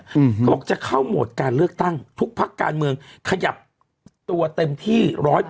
เขาบอกจะเข้าโหมดการเลือกตั้งทุกพักการเมืองขยับตัวเต็มที่ร้อยเปอร์